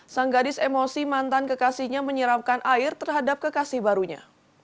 sang gadis emosi mantan kekasihnya menyeramkan air terhadap kekasih barunya